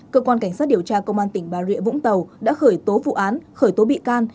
cơ quan cảnh sát điều tra công an tỉnh bà rịa vũng tàu đã khởi tố vụ án khởi tố bị can